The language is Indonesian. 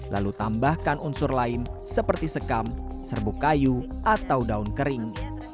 lalu tambahkan unsur lain seperti sekam serbuk kayu atau daun kering